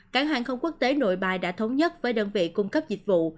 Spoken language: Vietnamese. cảng hàng không quốc tế nội bài đã thống nhất với đơn vị cung cấp dịch vụ